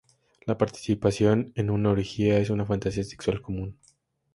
La participación en una orgía es una fantasía sexual común.